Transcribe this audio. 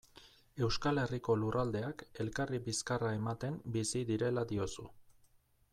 Euskal Herriko lurraldeak elkarri bizkarra ematen bizi direla diozu.